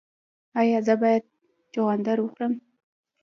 ایا زه باید چغندر وخورم؟